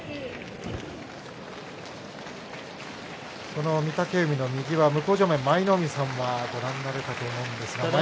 その御嶽海の右は向正面舞の海さんはご覧になれたと思います。